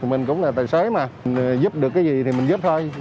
mình cũng là tài xế mà giúp được cái gì thì mình giúp thôi